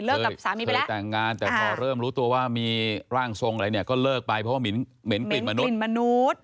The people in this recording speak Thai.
เลิกกับสามีไปแล้วเธอแต่งงานแต่พอเริ่มรู้ตัวว่ามีร่างทรงอะไรเนี้ยก็เลิกไปเพราะมีเหม็นกลิ่นมนุษย์